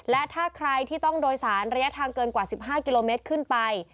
และถ้าใครที่ต้องโดยสารระยะทางเกินกว่า๑๕กิโลเมตรขึ้นไป